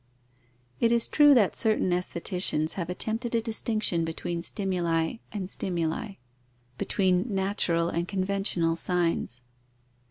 _ It is true, that certain aestheticians have attempted a distinction between stimuli and stimuli, between natural and conventional signs.